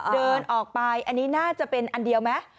เดินออกไปอันนี้น่าจะเป็นอันเดียวไหม